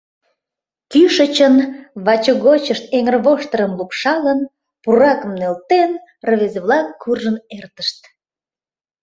Кӱшычын, вачыгочышт эҥырвоштырым лупшалын, пуракым нӧлтен, рвезе-влак куржын эртышт.